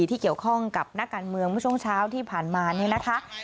ที่เกี่ยวข้องกับนักการเมืองเมื่อช่วงเช้าที่ผ่านมาเนี่ยนะคะ